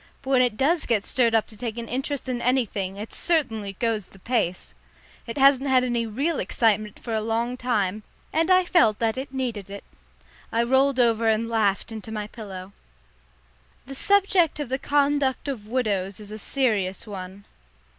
But when it does get stirred up to take an interest in anything, it certainly goes the pace. It hasn't had any real excitement for a long time, and I felt that it needed it. I rolled over and laughed into my pillow. The subject of the conduct of widows is a serious one.